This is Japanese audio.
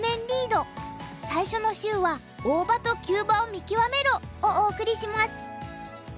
最初の週は「大場と急場を見極めろ」をお送りします。